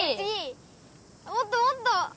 もっともっと！